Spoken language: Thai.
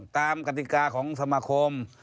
กติกาของสมาคม